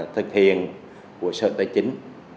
thực hiện của sở tài chính